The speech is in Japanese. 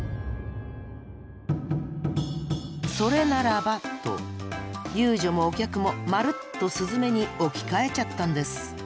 それならばと遊女もお客もまるっとスズメに置き換えちゃったんです。